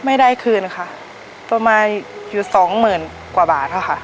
ไม่ได้คืนค่ะประมาณอยู่สองหมื่นกว่าบาทค่ะ